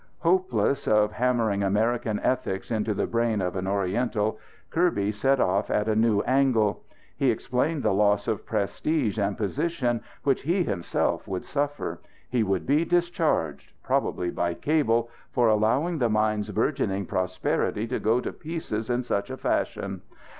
Hopeless of hammering American ethics into the brain of an Oriental, Kirby set off at a new angle. He explained the loss of prestige and position which he himself would suffer. He would be discharged probably by cable for allowing the mine's bourgeoning prosperity to go to pieces in such fashion.